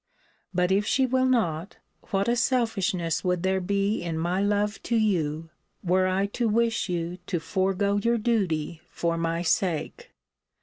But if she will not, what a selfishness would there be in my love to you, were I to wish you to forego your duty for my sake?